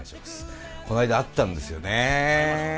この間会ったんですよねえ。